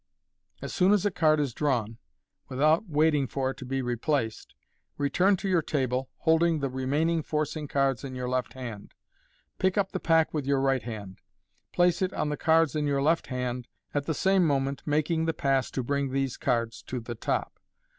As soon as a card is drawn, without waiting for it to be replaced, return to your table, holding the remaining forcing cards in your left hand. Pick up the pack with your right hand. Place it on the cards in your left hand, at the same moment making the pass to bring these cards to the top.